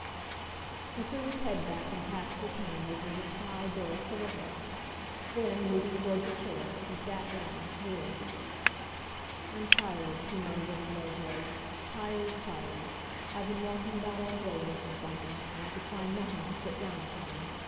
He threw his head back and passed his hand over his high, bare forehead; then, moving towards a chair, he sat down—wearily. "I'm tired," he muttered in a low voice, "tired—tired! I've been walking about all day, Mrs. Bunting, and I could find nothing to sit down upon.